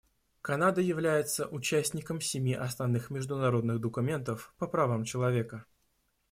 Канада является участником семи основных международных документов по правам человека.